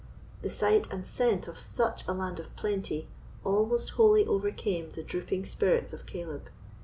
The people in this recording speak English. The sight and scent of such a land of plenty almost wholly overcame the drooping spirits of Caleb.